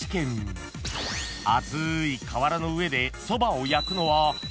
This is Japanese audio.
［熱い瓦の上でそばを焼くのは］